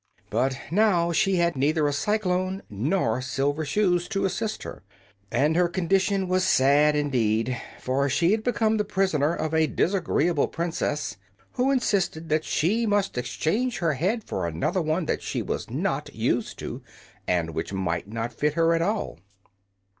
But now she had neither a cyclone nor silver shoes to assist her, and her condition was sad indeed. For she had become the prisoner of a disagreeable princess who insisted that she must exchange her head for another one that she was not used to, and which might not fit her at all.